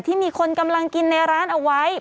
ที่มีคนกำลังกินในร้านเอาไว้